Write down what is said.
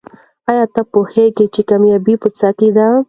آیا ته پوهېږې چې کامیابي په څه کې ده؟